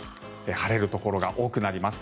晴れるところが多くなります。